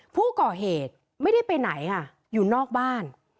ผู้ก่อเหตุไม่ได้ไปไหนค่ะอยู่นอกบ้าน